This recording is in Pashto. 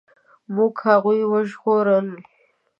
موږ هغوی وژغورل.